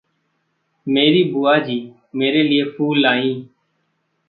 मेरी बुआ-जी मेरे लिए फूल लाईं।